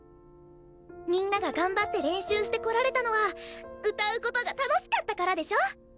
みんなが頑張って練習してこられたのは歌うことが楽しかったからでしょ？